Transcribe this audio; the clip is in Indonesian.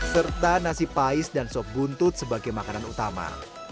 serta nasi pais dan sop buntut sebagai makanan utama